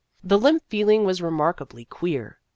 The limp feeling was remarkably queer.